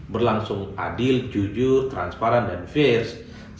berlangsung adil jujur dan berpengalaman dengan kebenaran dan kebenaran yang ada di lingkaran pemerintahnya